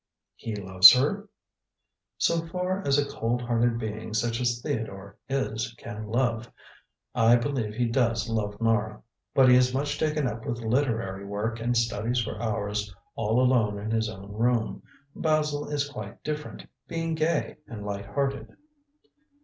"He loves her?" "So far as a cold hearted being such as Theodore is can love, I believe he does love Mara. But he is much taken up with literary work, and studies for hours all alone in his own room. Basil is quite different, being gay and light hearted."